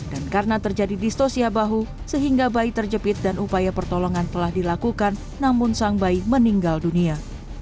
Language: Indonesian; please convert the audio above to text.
dan karena terjadi distosia bahu sehingga bayi terjepit dan upaya pertolongan telah dilakukan namun sang bayi meninggal dunia